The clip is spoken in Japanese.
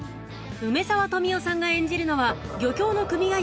梅沢富美男さんが演じるのは漁協の組合